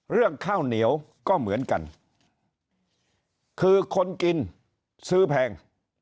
เรื่องข้าวเหนียวก็เหมือนกันคือคนกินซื้อแพง